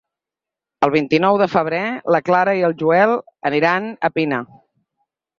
El vint-i-nou de febrer na Clara i en Joel iran a Pina.